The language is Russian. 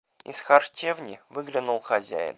Из харчевни выглянул хозяин.